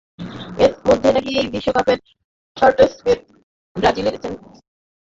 এরই মধ্যে নাকি বিশ্বকাপের চাপটা টের পেতে শুরু করেছেন ব্রাজিলীয় সেনসেশন নেইমার।